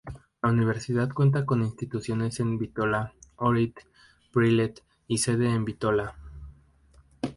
La universidad cuenta con instituciones en Bitola, Ohrid, Prilep, y sede en Bitola.